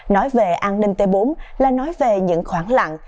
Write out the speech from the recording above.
nói về an ninh t bốn là nói về những khoảng lặng